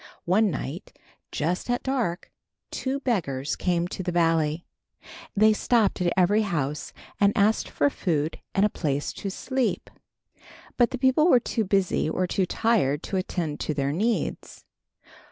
One night, just at dark, two beggars came into the valley. They stopped at every house and asked for food and a place to sleep. But the people were too busy or too tired to attend to their needs.